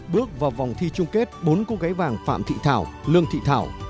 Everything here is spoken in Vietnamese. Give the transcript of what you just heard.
bước vào vòng thi chung kết bốn cô gái vàng phạm thị thảo lương thị thảo